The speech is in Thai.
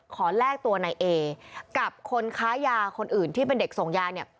แลกตัวนายเอกับคนค้ายาคนอื่นที่เป็นเด็กส่งยาเนี่ย